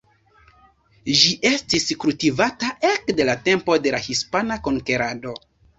Ĝi estis kultivata ekde la tempo de la hispana konkerado.